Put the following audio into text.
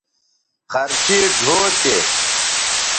خرچیئ ڙھؤ تے